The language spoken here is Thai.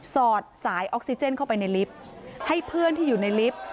อดสายออกซิเจนเข้าไปในลิฟต์ให้เพื่อนที่อยู่ในลิฟต์